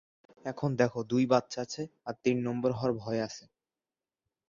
এখন দেখো, দুই বাচ্চা আছে, আর তিন নাম্বার হওয়ার ভয় আছে।